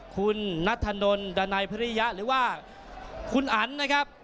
คุณนัทธนลดานัยพริยะหรือว่าคุณอันนะครับ